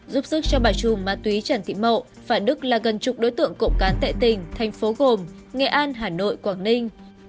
giúp sức cho bà trùm ma túy trần thị mậu và đức là gần chục đối tượng cộng cán tại tỉnh thành phố gồm nghệ an hà nội quảng ninh